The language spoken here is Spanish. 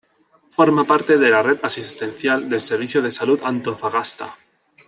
Forma parte de la red asistencial del Servicio de Salud Antofagasta.